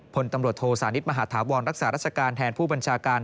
พลตำรวจโทสานิทมหาฐาวรรักษาราชการแทนผู้บัญชาการ